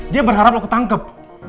dia berharap lo ketangkep